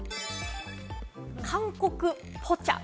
韓国ポチャ。